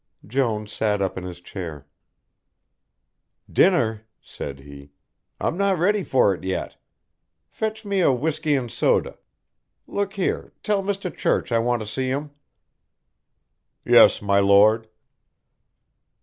Jones sat up in his chair. "Dinner," said he. "I'm not ready for it yet. Fetch me a whisky and soda look here, tell Mr. Church I want to see him." "Yes, my Lord."